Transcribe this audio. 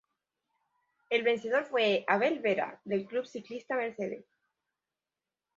El vencedor fue Abel Vera del Club Ciclista Mercedes.